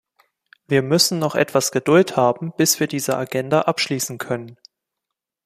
Wir müssen noch etwas Geduld haben, bis wir diese Agenda abschließen können.